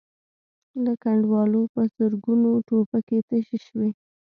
له کنډوالو په زرګونو ټوپکې تشې شوې.